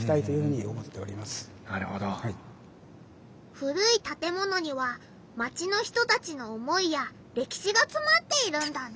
古い建物にはマチの人たちの思いやれきしがつまっているんだな。